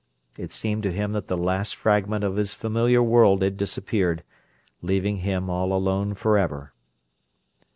It seemed to him that the last fragment of his familiar world had disappeared, leaving him all alone forever.